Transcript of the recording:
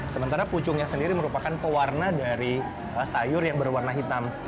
sementara pucungnya sendiri merupakan pewarna dari sayur yang berwarna hitam